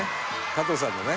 加藤さんのね」